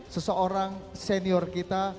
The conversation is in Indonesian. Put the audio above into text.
seseorang senior kita